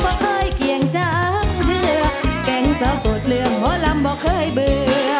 ว่าเคยเกี่ยงจับเผื่อแก่งเซาสูตรเรื่องหมอลำว่าเคยเบื่อ